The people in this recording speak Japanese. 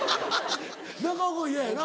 中岡嫌やよな？